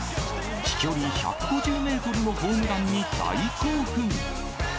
飛距離１５０メートルのホームランに大興奮。